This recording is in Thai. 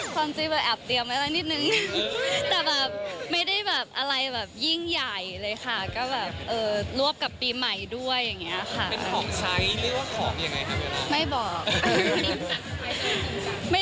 ก็คาดหวังแล้วจะแบบว่าเออคิดไปเองอะไรอย่างเงี้ยค่ะคือถ้ามีก็คือมี